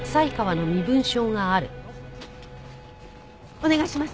お願いします。